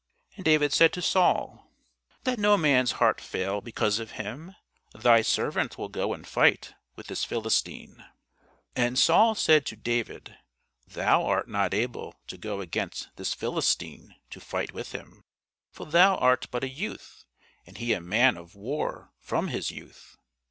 And David said to Saul, Let no man's heart fail because of him; thy servant will go and fight with this Philistine. And Saul said to David, Thou art not able to go against this Philistine to fight with him: for thou art but a youth, and he a man of war from his youth.